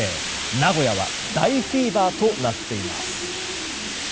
名古屋は大フィーバーとなっています。